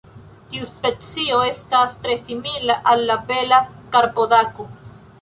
Tiu specio estas tre simila al la Bela karpodako.